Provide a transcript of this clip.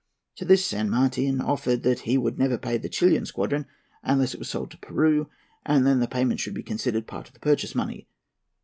To this San Martin answered that 'he would never pay the Chilian squadron unless it was sold to Peru, and then the payment should be considered part of the purchase money.'